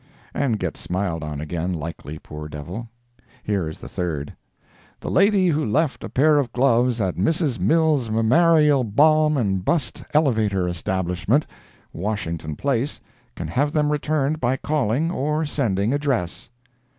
And get smiled on again, likely, poor devil. Here is the third: "THE LADY WHO LEFT A PAIR OF GLOVES AT MRS. MILLS' Mammarial Balm and Bust Elevator establishment, Washington place, can have them returned by calling or sending address."